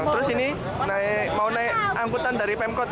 terus ini mau naik angkutan dari pemkot